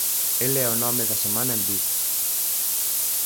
El é o nome da semana en Vigo.